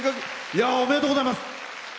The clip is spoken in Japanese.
おめでとうございます。